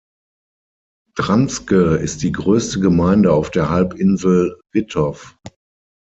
Dranske ist die größte Gemeinde auf der Halbinsel Wittow.